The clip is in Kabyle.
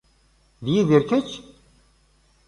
D yidir, Kečč?